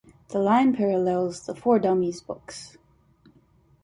The line parallels the "For Dummies" books.